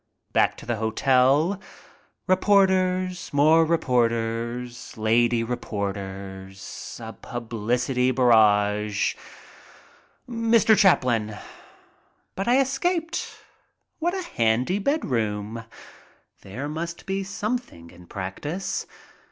Back to the hotel. Reporters. More reporters. Lady reporters. A publicity barrage. "Mr. Chaplin—" But I escaped. What a handy bedroom ! There must be something in practice.